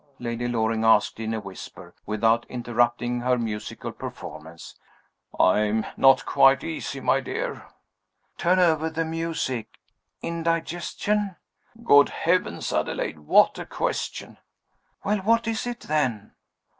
Lady Loring asked in a whisper, without interrupting her musical performance. "I'm not quite easy, my dear." "Turn over the music. Indigestion?" "Good heavens, Adelaide, what a question!" "Well, what is it, then?"